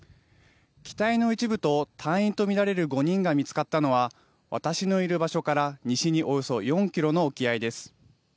機体の一部と隊員と見られる５人が見つかったのは私のいる場所から西におよそ４キロの沖合です。